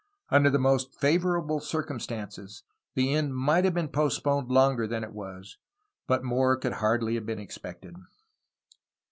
Under the most favorable circumstances the end might have been postponed longer than it was, but more could hardly have been expected.